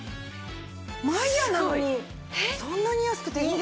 マイヤーなのにそんなに安くていいんですか？